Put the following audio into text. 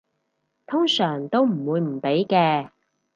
通常都唔會唔俾嘅